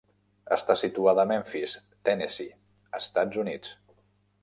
Està situada a Memphis, Tennessee, Estats Units.